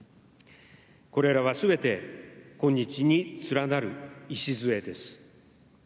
これらは全て今日に連なる礎です。